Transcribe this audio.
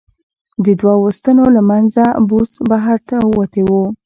د دوو ستنو له منځه بوس بهر را وتي و.